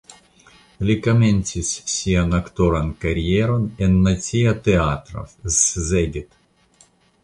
Li komencis sian aktoran karieron en Nacia Teatro (Szeged).